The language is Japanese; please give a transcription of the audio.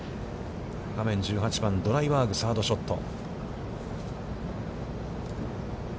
画面は１８番、ドライバーグ、サードショット。